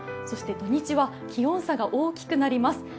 そして土日は気温差が大きくなります。